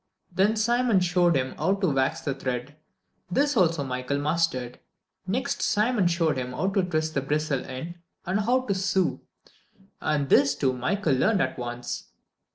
Then Simon showed him how to wax the thread. This also Michael mastered. Next Simon showed him how to twist the bristle in, and how to sew, and this, too, Michael learned at once.